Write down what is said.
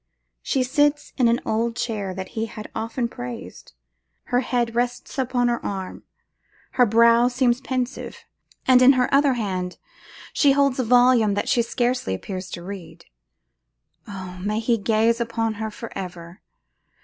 She sits in an old chair that he had often praised; her head rests upon her arm, her brow seems pensive; and in her other hand she holds a volume that she scarcely appears to read. Oh! may he gaze upon her for ever!